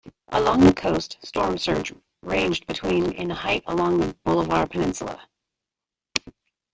Along the coast, storm surge ranged between in height along the Bolivar Peninsula.